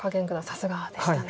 さすがでしたね。